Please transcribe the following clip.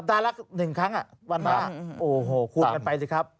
นะครับนะฮะโอ้โหคุดกันไปซิครับ